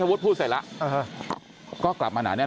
คุณภูริพัฒน์บุญนิน